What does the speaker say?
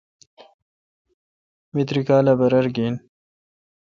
می تری کالہ برر گھن۔